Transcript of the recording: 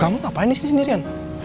kamu ngapain di sini sendirian